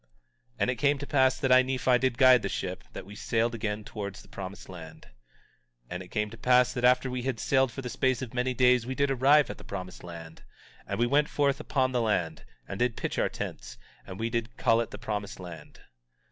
18:22 And it came to pass that I, Nephi, did guide the ship, that we sailed again towards the promised land. 18:23 And it came to pass that after we had sailed for the space of many days we did arrive at the promised land; and we went forth upon the land, and did pitch our tents; and we did call it the promised land.